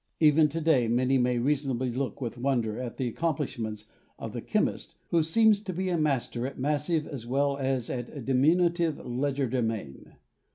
Even today many may reasonably look with wonder at the accomplishments of the chemist, who seems to be a master at massive as well as at diminutive legerde main.